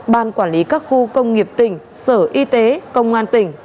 ban quản lý các khu công nghiệp tỉnh sở y tế công an tỉnh